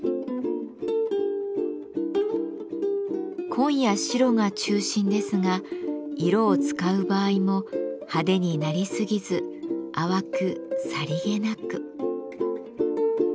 紺や白が中心ですが色を使う場合も派手になりすぎず淡くさりげなく。